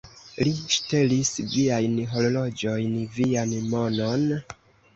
Li ŝtelis viajn horloĝojn, vian monon?